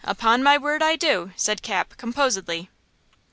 Upon my word, I do!" said Cap, composedly.